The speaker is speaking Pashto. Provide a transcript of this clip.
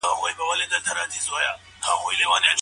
پښتو مو ژوندۍ اوسه.